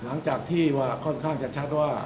หลังจากที่ว่าค่อนข้างจะชัดว่า